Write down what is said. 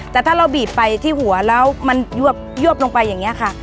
แต่ถ้าเราบีบไปที่หัวแล้วมันยวบลงไปอย่างนี้ค่ะ